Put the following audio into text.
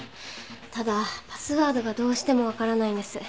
ただパスワードがどうしてもわからないんです。